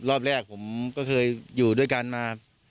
รอบแรกผมก็เคยอยู่ด้วยกันมา